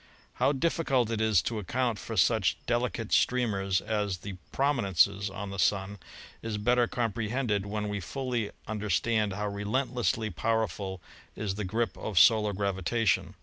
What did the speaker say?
How difficult it is to account for such delicate stream ers as the "prominences" on the Sun is better compre hended when we fully understand how relentlessly power ful is the grip of solar gravitation.